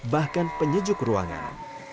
bahkan penyejuk ruangan